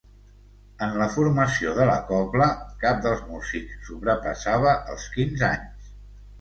En la formació de la cobla cap dels músics sobrepassava els quinze anys.